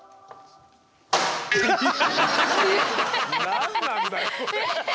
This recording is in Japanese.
何なんだよ。